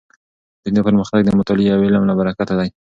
دنیا پرمختګ د مطالعې او علم له برکته دی.